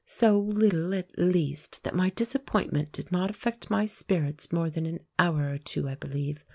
So little, at least, that my disappointment did not affect my spirits more than an hour or two, I believe.